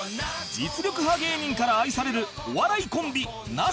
実力派芸人から愛されるお笑いコンビなすなかにし